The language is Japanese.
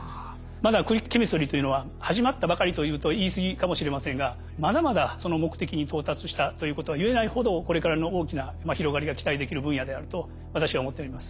まだクリックケミストリーというのは始まったばかりと言うと言いすぎかもしれませんがまだまだその目的に到達したということは言えないほどこれからの大きな広がりが期待できる分野であると私は思っております。